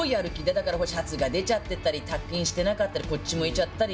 だからシャツが出ちゃってたり、タックインしてなかったり、こっち向いちゃったり。